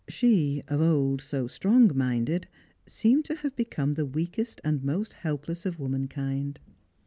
She, of old so strong minded, seemed to have become the weakest and most helpless of womankind.